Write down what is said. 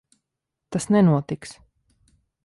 Tas nenotiks.